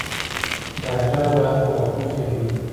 ډاکټر باید خواخوږی وي